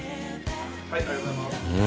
ありがとうございます。